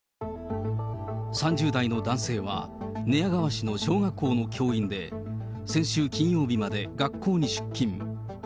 ３０代の男性は寝屋川市の小学校の教員で、先週金曜日まで学校に出勤。